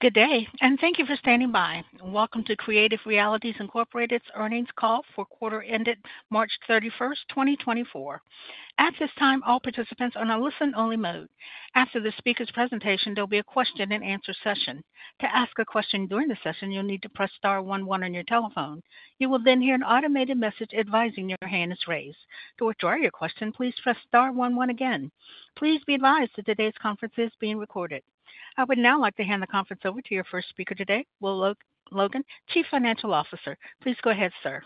Good day, and thank you for standing by. Welcome to Creative Realities Incorporated's earnings call for quarter-ended March 31, 2024. At this time, all participants are on a listen-only mode. After the speaker's presentation, there'll be a question-and-answer session. To ask a question during the session, you'll need to press star one one on your telephone. You will then hear an automated message advising your hand is raised. To withdraw your question, please press star one one again. Please be advised that today's conference is being recorded. I would now like to hand the conference over to your first speaker today, Will Logan, Chief Financial Officer. Please go ahead, sir.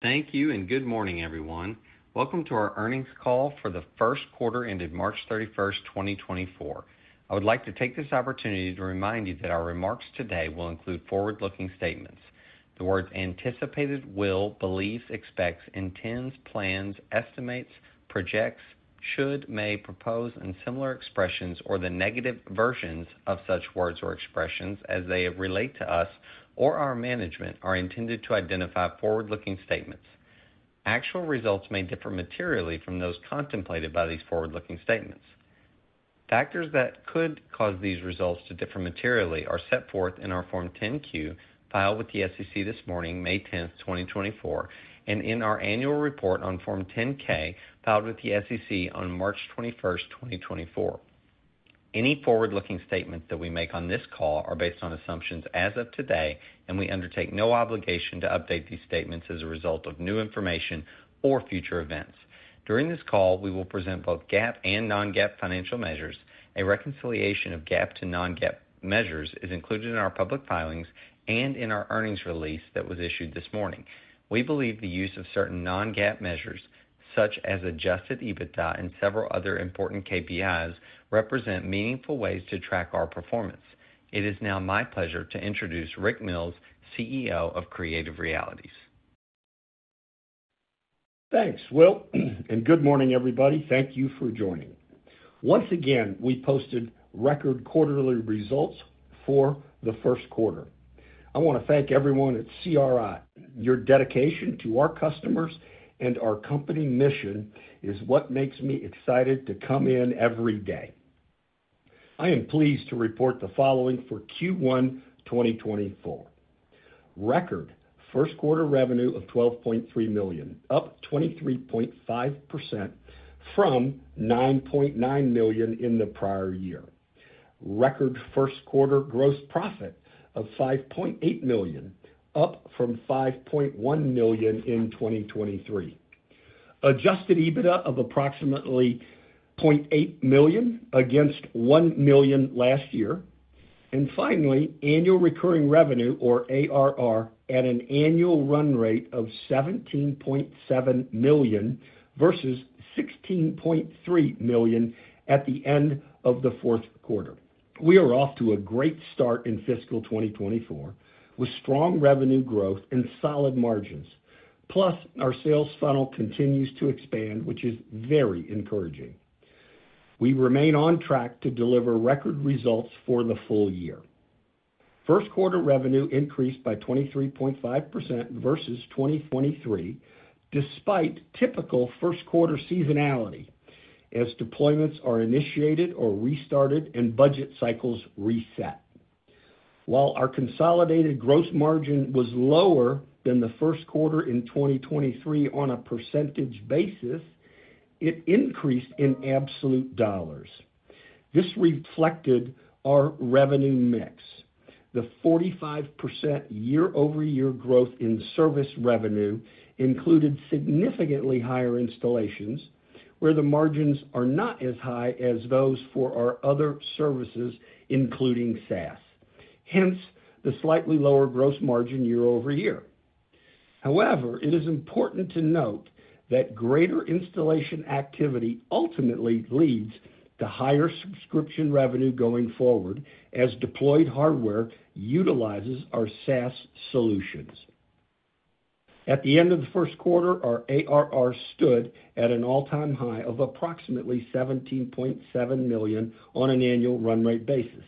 Thank you, and good morning, everyone. Welcome to our earnings call for the first quarter-ended March 31, 2024. I would like to take this opportunity to remind you that our remarks today will include forward-looking statements. The words "anticipated," "will," "believes," "expects," "intends," "plans," "estimates," "projects," "should," "may," "propose," and similar expressions or the negative versions of such words or expressions as they relate to us or our management are intended to identify forward-looking statements. Actual results may differ materially from those contemplated by these forward-looking statements. Factors that could cause these results to differ materially are set forth in our Form 10-Q filed with the SEC this morning, May 10, 2024, and in our annual report on Form 10-K filed with the SEC on March 21, 2024. Any forward-looking statements that we make on this call are based on assumptions as of today, and we undertake no obligation to update these statements as a result of new information or future events. During this call, we will present both GAAP and non-GAAP financial measures. A reconciliation of GAAP to non-GAAP measures is included in our public filings and in our earnings release that was issued this morning. We believe the use of certain non-GAAP measures, such as adjusted EBITDA and several other important KPIs, represent meaningful ways to track our performance. It is now my pleasure to introduce Rick Mills, CEO of Creative Realities. Thanks, Will, and good morning, everybody. Thank you for joining. Once again, we posted record quarterly results for the first quarter. I want to thank everyone at CRI. Your dedication to our customers and our company mission is what makes me excited to come in every day. I am pleased to report the following for Q1 2024: Record first-quarter revenue of $12.3 million, up 23.5% from $9.9 million in the prior year. Record first-quarter gross profit of $5.8 million, up from $5.1 million in 2023. Adjusted EBITDA of approximately $0.8 million against $1 million last year. And finally, annual recurring revenue, or ARR, at an annual run rate of $17.7 million versus $16.3 million at the end of the fourth quarter. We are off to a great start in fiscal 2024 with strong revenue growth and solid margins, plus our sales funnel continues to expand, which is very encouraging. We remain on track to deliver record results for the full year. First-quarter revenue increased by 23.5% versus 2023, despite typical first-quarter seasonality as deployments are initiated or restarted and budget cycles reset. While our consolidated gross margin was lower than the first quarter in 2023 on a percentage basis, it increased in absolute dollars. This reflected our revenue mix. The 45% year-over-year growth in service revenue included significantly higher installations, where the margins are not as high as those for our other services, including SaaS, hence the slightly lower gross margin year-over-year. However, it is important to note that greater installation activity ultimately leads to higher subscription revenue going forward as deployed hardware utilizes our SaaS solutions. At the end of the first quarter, our ARR stood at an all-time high of approximately $17.7 million on an annual run rate basis.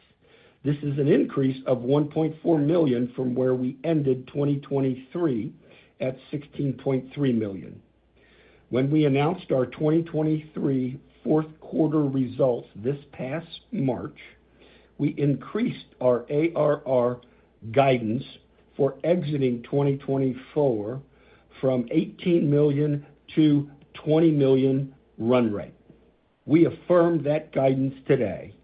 This is an increase of $1.4 million from where we ended 2023 at $16.3 million. When we announced our 2023 fourth-quarter results this past March, we increased our ARR guidance for exiting 2024 from $18 million-$20 million run rate. We affirm that guidance today.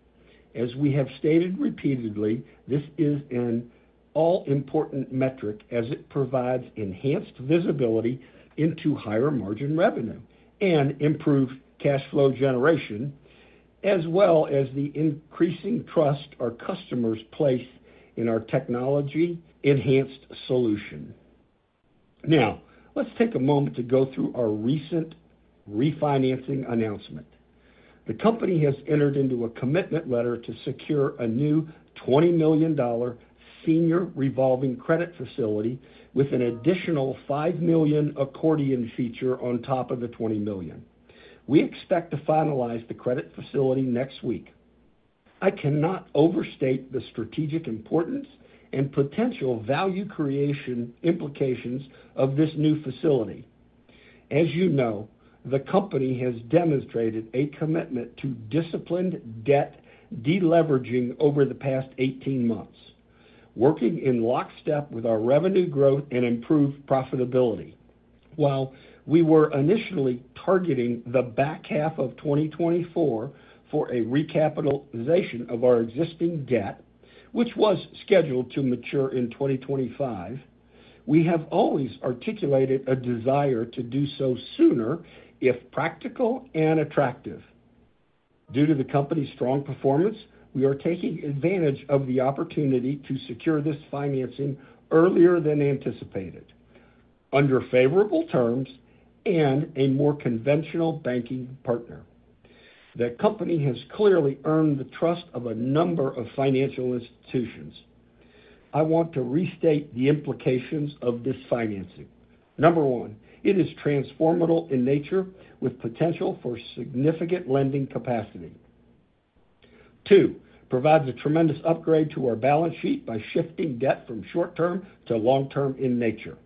As we have stated repeatedly, this is an all-important metric as it provides enhanced visibility into higher margin revenue and improved cash flow generation, as well as the increasing trust our customers place in our technology-enhanced solution. Now, let's take a moment to go through our recent refinancing announcement. The company has entered into a commitment letter to secure a new $20 million senior revolving credit facility with an additional $5 million accordion feature on top of the $20 million. We expect to finalize the credit facility next week. I cannot overstate the strategic importance and potential value creation implications of this new facility. As you know, the company has demonstrated a commitment to disciplined debt deleveraging over the past 18 months, working in lockstep with our revenue growth and improved profitability. While we were initially targeting the back half of 2024 for a recapitalization of our existing debt, which was scheduled to mature in 2025, we have always articulated a desire to do so sooner if practical and attractive. Due to the company's strong performance, we are taking advantage of the opportunity to secure this financing earlier than anticipated, under favorable terms, and a more conventional banking partner. The company has clearly earned the trust of a number of financial institutions. I want to restate the implications of this financing. Number one, it is transformative in nature with potential for significant lending capacity. Two, it provides a tremendous upgrade to our balance sheet by shifting debt from short-term to long-term in nature.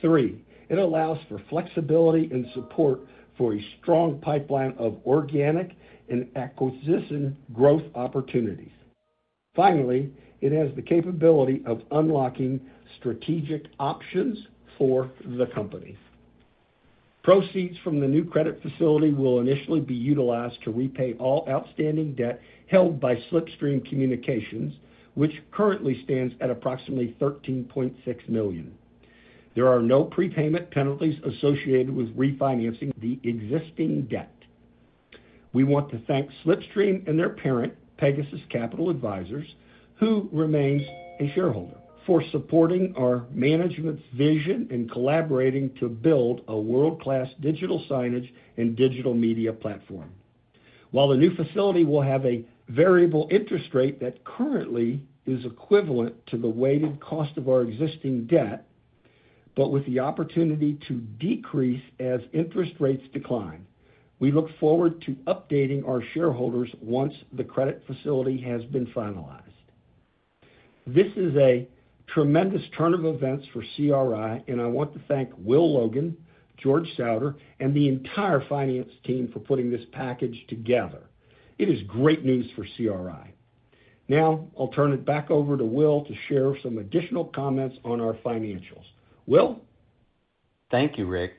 Three, it allows for flexibility and support for a strong pipeline of organic and acquisition growth opportunities. Finally, it has the capability of unlocking strategic options for the company. Proceeds from the new credit facility will initially be utilized to repay all outstanding debt held by Slipstream Communications, which currently stands at approximately $13.6 million. There are no prepayment penalties associated with refinancing the existing debt. We want to thank Slipstream and their parent, Pegasus Capital Advisors, who remains a shareholder, for supporting our management's vision and collaborating to build a world-class digital signage and digital media platform. While the new facility will have a variable interest rate that currently is equivalent to the weighted cost of our existing debt, but with the opportunity to decrease as interest rates decline, we look forward to updating our shareholders once the credit facility has been finalized. This is a tremendous turn of events for CRI, and I want to thank Will Logan, George Sautter, and the entire finance team for putting this package together. It is great news for CRI. Now, I'll turn it back over to Will to share some additional comments on our financials. Will? Thank you, Rick.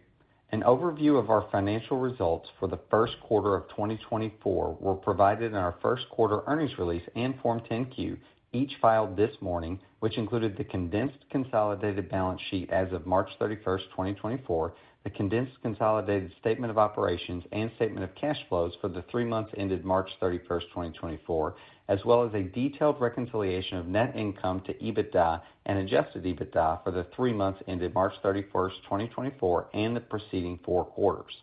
An overview of our financial results for the first quarter of 2024 were provided in our first quarter earnings release and Form 10-Q each filed this morning, which included the condensed consolidated balance sheet as of March 31, 2024, the condensed consolidated statement of operations and statement of cash flows for the three months ended March 31, 2024, as well as a detailed reconciliation of net income to EBITDA and adjusted EBITDA for the three months ended March 31, 2024, and the preceding four quarters.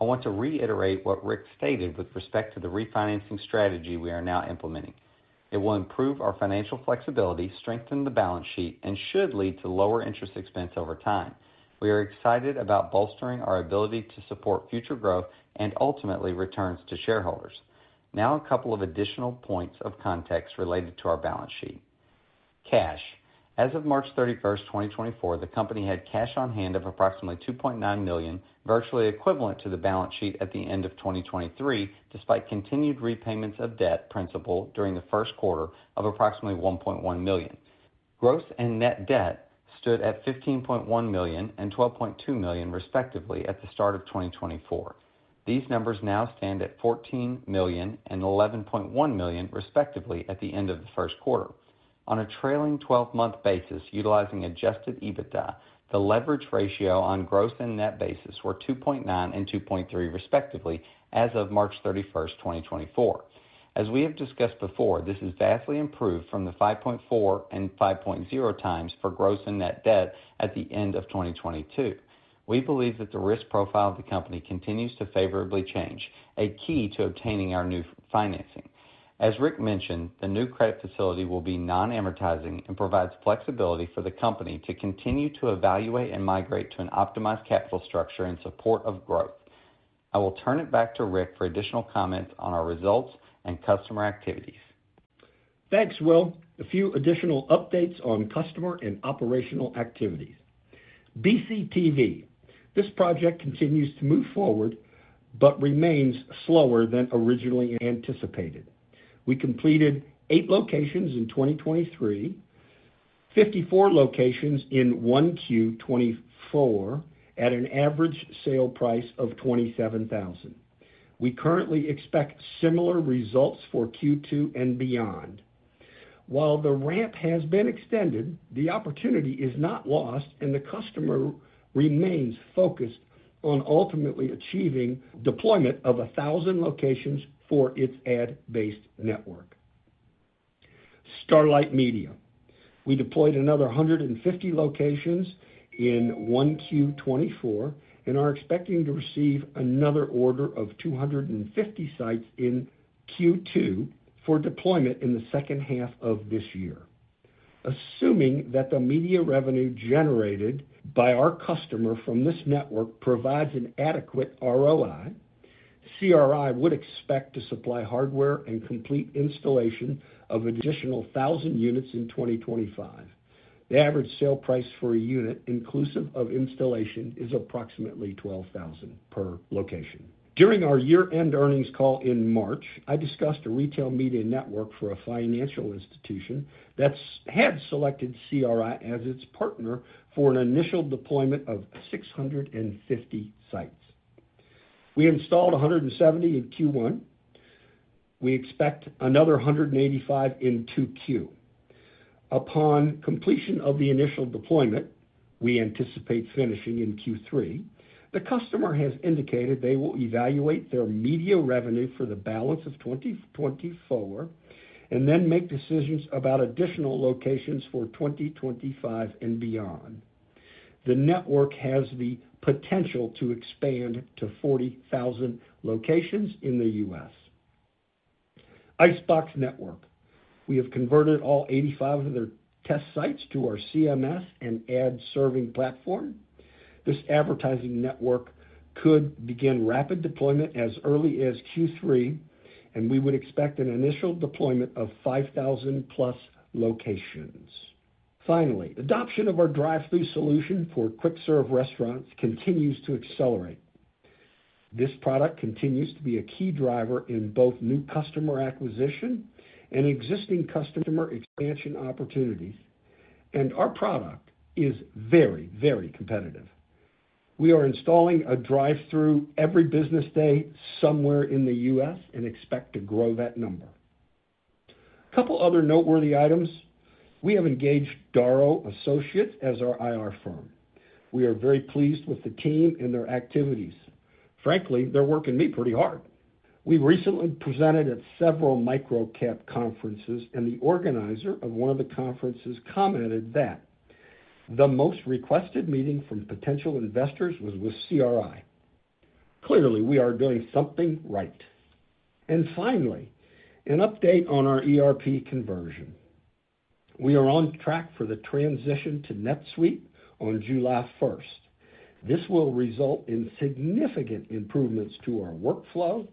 I want to reiterate what Rick stated with respect to the refinancing strategy we are now implementing. It will improve our financial flexibility, strengthen the balance sheet, and should lead to lower interest expense over time. We are excited about bolstering our ability to support future growth and ultimately returns to shareholders. Now, a couple of additional points of context related to our balance sheet. Cash. As of March 31, 2024, the company had cash on hand of approximately $2.9 million, virtually equivalent to the balance sheet at the end of 2023, despite continued repayments of debt principal during the first quarter of approximately $1.1 million. Gross and net debt stood at $15.1 million and $12.2 million, respectively, at the start of 2024. These numbers now stand at $14 million and $11.1 million, respectively, at the end of the first quarter. On a trailing 12-month basis, utilizing Adjusted EBITDA, the leverage ratio on gross and net basis were 2.9x and 2.3x, respectively, as of March 31, 2024. As we have discussed before, this is vastly improved from the 5.4x and 5.0x for gross and net debt at the end of 2022. We believe that the risk profile of the company continues to favorably change, a key to obtaining our new financing. As Rick mentioned, the new credit facility will be non-amortizing and provides flexibility for the company to continue to evaluate and migrate to an optimized capital structure in support of growth. I will turn it back to Rick for additional comments on our results and customer activities. Thanks, Will. A few additional updates on customer and operational activities. BCTV. This project continues to move forward but remains slower than originally anticipated. We completed 8 locations in 2023, 54 locations in 1Q2024, at an average sale price of $27,000. We currently expect similar results for Q2 and beyond. While the ramp has been extended, the opportunity is not lost, and the customer remains focused on ultimately achieving deployment of 1,000 locations for its ad-based network. Starlite Media. We deployed another 150 locations in 1Q2024 and are expecting to receive another order of 250 sites in Q2 for deployment in the second half of this year. Assuming that the media revenue generated by our customer from this network provides an adequate ROI, CRI would expect to supply hardware and complete installation of an additional 1,000 units in 2025. The average sale price for a unit, inclusive of installation, is approximately $12,000 per location. During our year-end earnings call in March, I discussed a retail media network for a financial institution that had selected CRI as its partner for an initial deployment of 650 sites. We installed 170 in Q1. We expect another 185 in Q2. Upon completion of the initial deployment, we anticipate finishing in Q3. The customer has indicated they will evaluate their media revenue for the balance of 2024 and then make decisions about additional locations for 2025 and beyond. The network has the potential to expand to 40,000 locations in the U.S. Icebox Network. We have converted all 85 of their test sites to our CMS and ad-serving platform. This advertising network could begin rapid deployment as early as Q3, and we would expect an initial deployment of 5,000+ locations. Finally, adoption of our drive-thru solution for quick-serve restaurants continues to accelerate. This product continues to be a key driver in both new customer acquisition and existing customer expansion opportunities, and our product is very, very competitive. We are installing a drive-thru every business day somewhere in the U.S. and expect to grow that number. A couple of other noteworthy items. We have engaged Darrow Associates as our IR firm. We are very pleased with the team and their activities. Frankly, they're working me pretty hard. We recently presented at several micro-cap conferences, and the organizer of one of the conferences commented that the most requested meeting from potential investors was with CRI. Clearly, we are doing something right. Finally, an update on our ERP conversion. We are on track for the transition to NetSuite on July 1st. This will result in significant improvements to our workflow,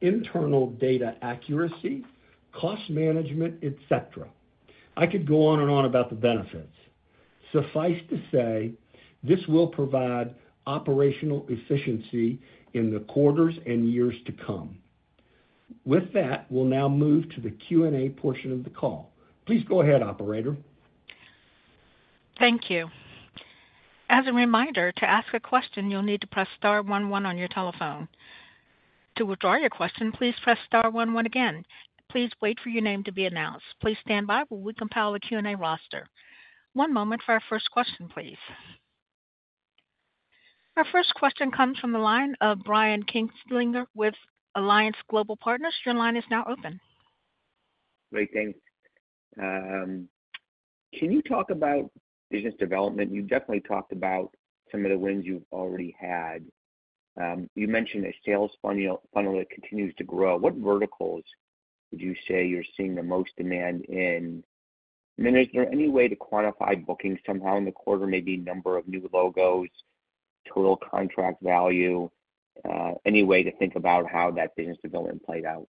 internal data accuracy, cost management, etc. I could go on and on about the benefits. Suffice to say, this will provide operational efficiency in the quarters and years to come. With that, we'll now move to the Q&A portion of the call. Please go ahead, operator. Thank you. As a reminder, to ask a question, you'll need to press star 11 on your telephone. To withdraw your question, please press star one one again. Please wait for your name to be announced. Please stand by while we compile the Q&A roster. One moment for our first question, please. Our first question comes from the line of Brian Kinstlinger with Alliance Global Partners. Your line is now open. Great. Thanks. Can you talk about business development? You definitely talked about some of the wins you've already had. You mentioned a sales funnel that continues to grow. What verticals would you say you're seeing the most demand in? I mean, is there any way to quantify bookings somehow in the quarter, maybe number of new logos, total contract value, any way to think about how that business development played out?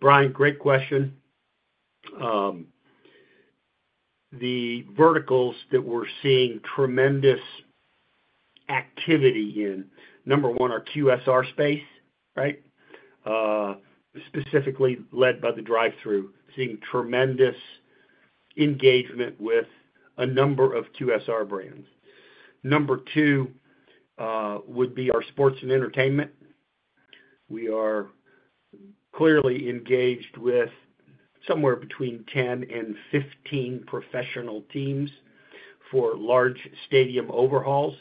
Brian, great question. The verticals that we're seeing tremendous activity in, number one, our QSR space, right, specifically led by the drive-thru, seeing tremendous engagement with a number of QSR brands. Number two would be our sports and entertainment. We are clearly engaged with somewhere between 10 and 15 professional teams for large stadium overhauls.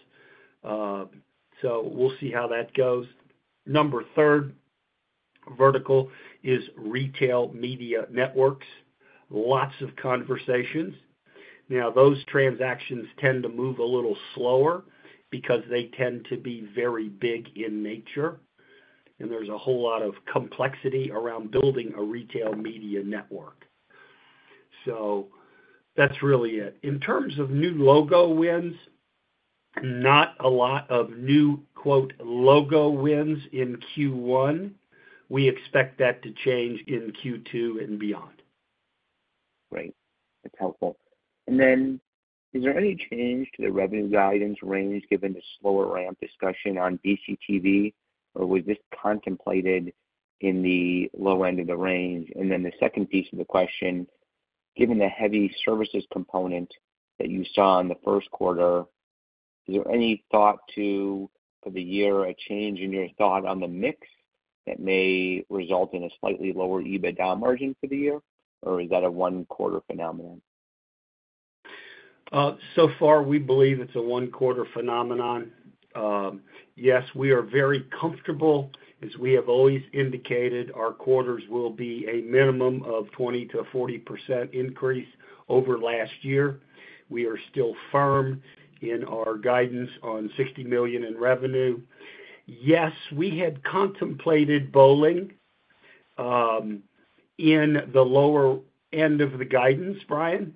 So we'll see how that goes. Number third vertical is retail media networks, lots of conversations. Now, those transactions tend to move a little slower because they tend to be very big in nature, and there's a whole lot of complexity around building a retail media network. So that's really it. In terms of new logo wins, not a lot of new "logo wins" in Q1. We expect that to change in Q2 and beyond. Great. That's helpful. And then is there any change to the revenue guidance range given the slower ramp discussion on BCTV, or was this contemplated in the low end of the range? And then the second piece of the question, given the heavy services component that you saw in the first quarter, is there any thought for the year, a change in your thought on the mix that may result in a slightly lower EBITDA margin for the year, or is that a one-quarter phenomenon? So far, we believe it's a one-quarter phenomenon. Yes, we are very comfortable, as we have always indicated. Our quarters will be a minimum of 20%-40% increase over last year. We are still firm in our guidance on $60 million in revenue. Yes, we had contemplated Bowling in the lower end of the guidance, Brian.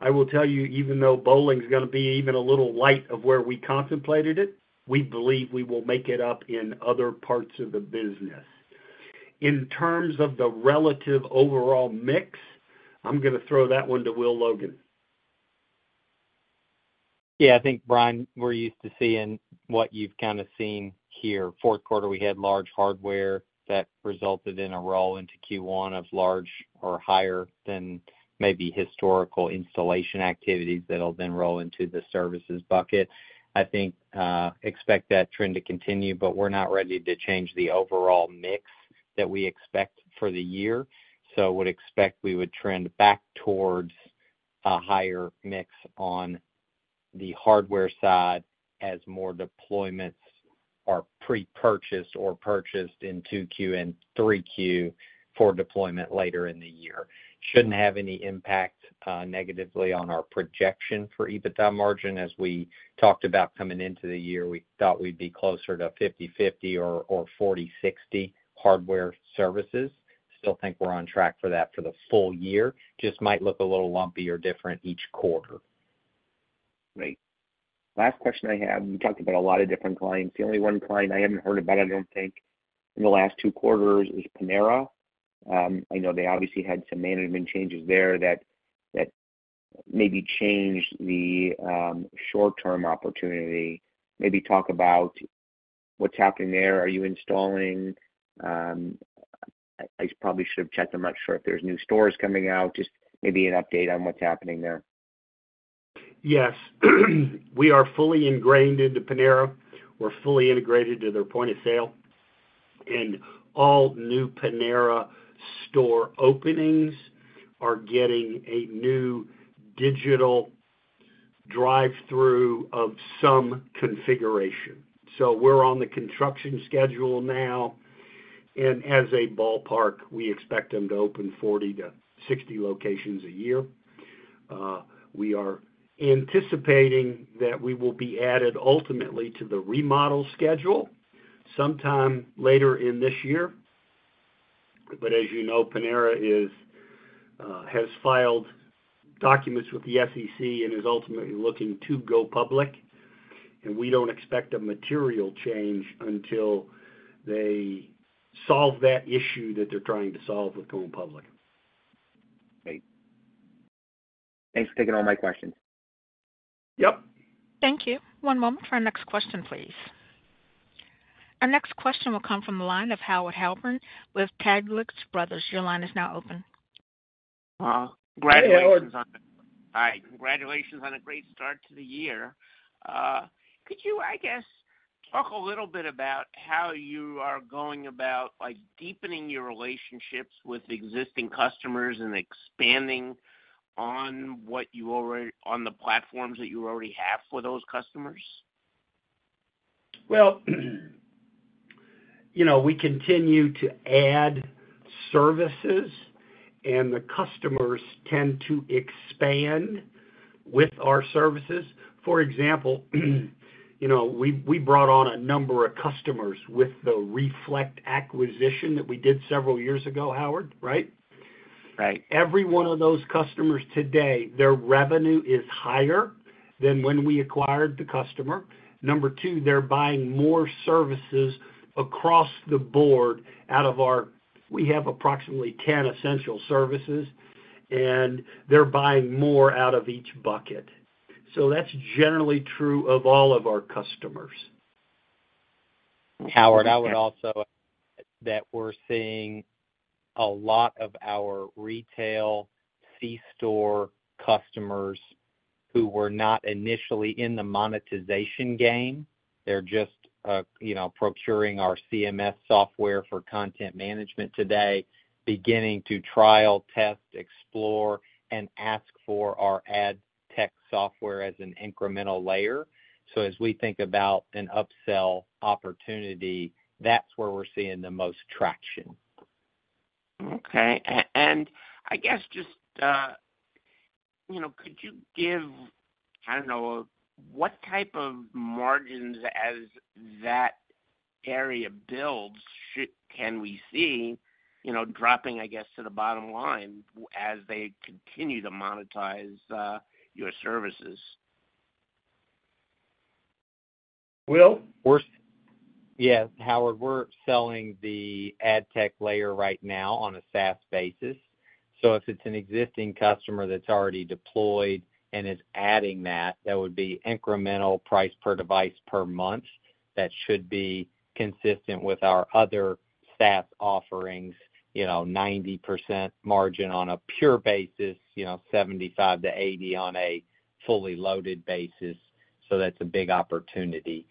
I will tell you, even though Bowling is going to be even a little light of where we contemplated it, we believe we will make it up in other parts of the business. In terms of the relative overall mix, I'm going to throw that one to Will Logan. Yeah. I think, Brian, we're used to seeing what you've kind of seen here. Fourth quarter, we had large hardware that resulted in a roll into Q1 of large or higher than maybe historical installation activities that will then roll into the services bucket. I think expect that trend to continue, but we're not ready to change the overall mix that we expect for the year. So would expect we would trend back towards a higher mix on the hardware side as more deployments are pre-purchased or purchased in Q2 and Q3 for deployment later in the year. Shouldn't have any impact negatively on our projection for EBITDA margin. As we talked about coming into the year, we thought we'd be closer to 50/50 or 40/60 hardware services. Still think we're on track for that for the full year. Just might look a little lumpy or different each quarter. Great. Last question I have. We talked about a lot of different clients. The only one client I haven't heard about, I don't think, in the last two quarters is Panera. I know they obviously had some management changes there that maybe changed the short-term opportunity. Maybe talk about what's happening there. Are you installing? I probably should have checked. I'm not sure if there's new stores coming out. Just maybe an update on what's happening there. Yes. We are fully ingrained into Panera. We're fully integrated to their point of sale. All new Panera store openings are getting a new digital drive-thru of some configuration. We're on the construction schedule now. As a ballpark, we expect them to open 40-60 locations a year. We are anticipating that we will be added ultimately to the remodel schedule sometime later in this year. But as you know, Panera has filed documents with the SEC and is ultimately looking to go public. We don't expect a material change until they solve that issue that they're trying to solve with going public. Great. Thanks for taking all my questions. Yep. Thank you. One moment for our next question, please. Our next question will come from the line of Howard Halpern with Taglich Brothers. Your line is now open. Hi. Congratulations on a great start to the year. Could you, I guess, talk a little bit about how you are going about deepening your relationships with existing customers and expanding on the platforms that you already have for those customers? Well, we continue to add services, and the customers tend to expand with our services. For example, we brought on a number of customers with the Reflect acquisition that we did several years ago, Howard, right? Every one of those customers today, their revenue is higher than when we acquired the customer. Number two, they're buying more services across the board out of our we have approximately 10 essential services, and they're buying more out of each bucket. So that's generally true of all of our customers. Howard, I would also add that we're seeing a lot of our retail C-store customers who were not initially in the monetization game. They're just procuring our CMS software for content management today, beginning to trial, test, explore, and ask for our ad tech software as an incremental layer. So as we think about an upsell opportunity, that's where we're seeing the most traction. Okay. I guess just could you give, I don't know, what type of margins as that area builds can we see dropping, I guess, to the bottom line as they continue to monetize your services? Well, yeah, Howard, we're selling the ad tech layer right now on a SaaS basis. So if it's an existing customer that's already deployed and is adding that, that would be incremental price per device per month. That should be consistent with our other SaaS offerings, 90% margin on a pure basis, 75%-80% on a fully loaded basis. So that's a big opportunity.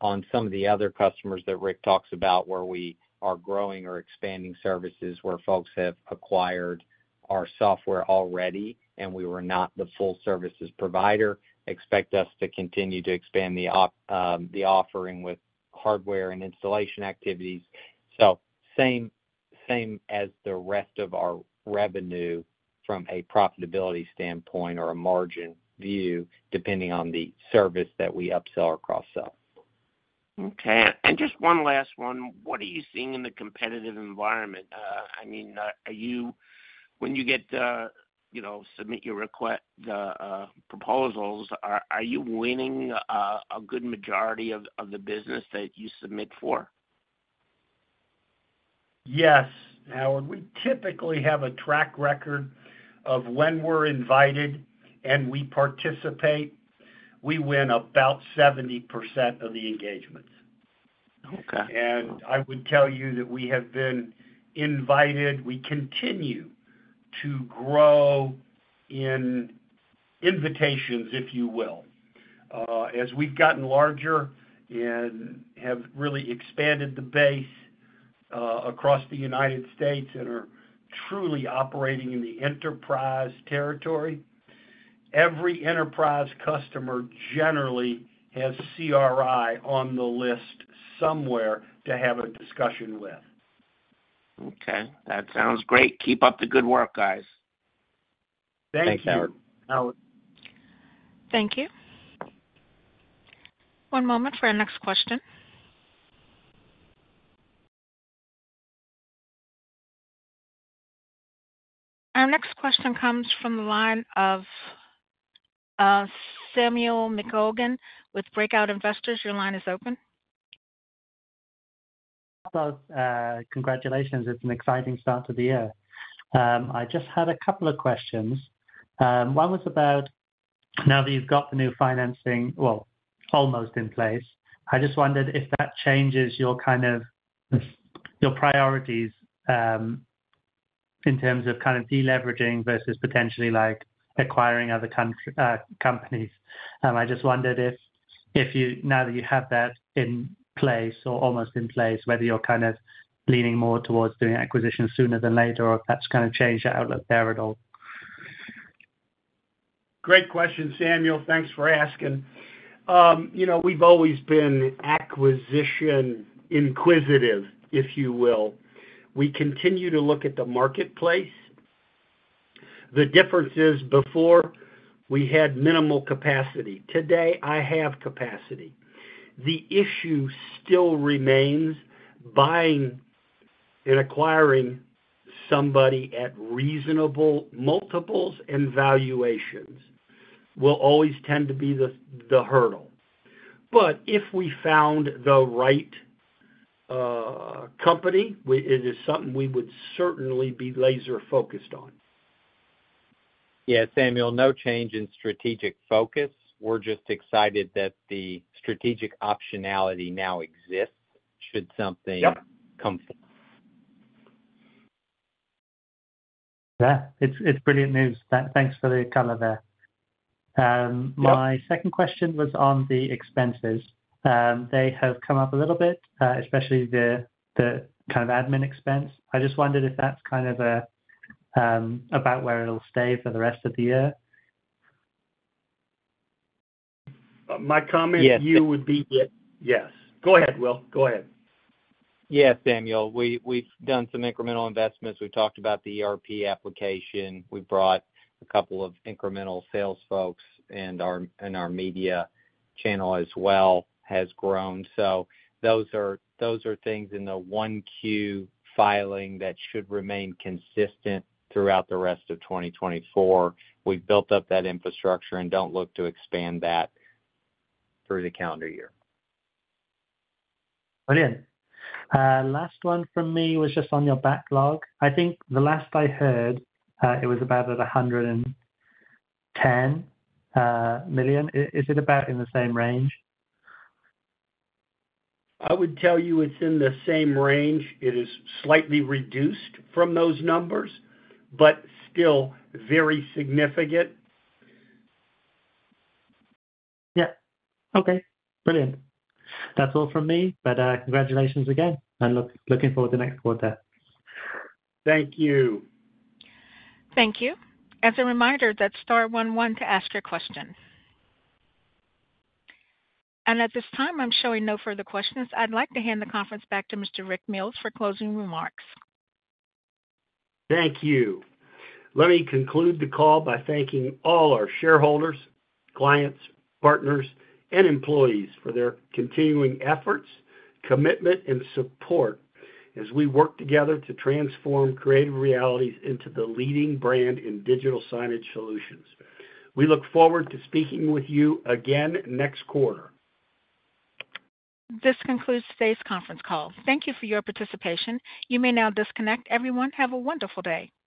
On some of the other customers that Rick talks about where we are growing or expanding services, where folks have acquired our software already and we were not the full services provider, expect us to continue to expand the offering with hardware and installation activities. So same as the rest of our revenue from a profitability standpoint or a margin view, depending on the service that we upsell or cross-sell. Okay. Just one last one. What are you seeing in the competitive environment? I mean, when you submit your proposals, are you winning a good majority of the business that you submit for? Yes, Howard. We typically have a track record of when we're invited and we participate. We win about 70% of the engagements. And I would tell you that we have been invited. We continue to grow in invitations, if you will. As we've gotten larger and have really expanded the base across the United States and are truly operating in the enterprise territory, every enterprise customer generally has CRI on the list somewhere to have a discussion with. Okay. That sounds great. Keep up the good work, guys. Thank you. Thanks, Howard. Thank you. One moment for our next question. Our next question comes from the line of Samuel McColgan with Breakout Investors. Your line is open. Hello. Congratulations. It's an exciting start to the year. I just had a couple of questions. One was about now that you've got the new financing, well, almost in place. I just wondered if that changes your priorities in terms of kind of deleveraging versus potentially acquiring other companies. I just wondered if now that you have that in place or almost in place, whether you're kind of leaning more towards doing acquisition sooner than later or if that's kind of changed your outlook there at all. Great question, Samuel. Thanks for asking. We've always been acquisition inquisitive, if you will. We continue to look at the marketplace. The difference is before we had minimal capacity. Today, I have capacity. The issue still remains buying and acquiring somebody at reasonable multiples and valuations will always tend to be the hurdle. But if we found the right company, it is something we would certainly be laser-focused on. Yeah, Samuel, no change in strategic focus. We're just excited that the strategic optionality now exists should something come forth. Yeah. It's brilliant news. Thanks for the color there. My second question was on the expenses. They have come up a little bit, especially the kind of admin expense. I just wondered if that's kind of about where it'll stay for the rest of the year. My comment to you would be yes. Go ahead, Will. Go ahead. Yeah, Samuel. We've done some incremental investments. We've talked about the ERP application. We've brought a couple of incremental sales folks, and our media channel as well has grown. So those are things in the Q1 filing that should remain consistent throughout the rest of 2024. We've built up that infrastructure and don't look to expand that through the calendar year. Brilliant. Last one from me was just on your backlog. I think the last I heard, it was about at $110 million. Is it about in the same range? I would tell you it's in the same range. It is slightly reduced from those numbers, but still very significant. Yeah. Okay. Brilliant. That's all from me, but congratulations again. I'm looking forward to next quarter. Thank you. Thank you. As a reminder, that's star one one to ask your question. At this time, I'm showing no further questions. I'd like to hand the conference back to Mr. Rick Mills for closing remarks. Thank you. Let me conclude the call by thanking all our shareholders, clients, partners, and employees for their continuing efforts, commitment, and support as we work together to transform Creative Realities into the leading brand in digital signage solutions. We look forward to speaking with you again next quarter. This concludes today's conference call. Thank you for your participation. You may now disconnect. Everyone, have a wonderful day.